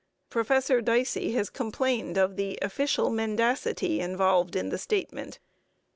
Professor Dicey has complained of the 'official mendacity' involved in the statement.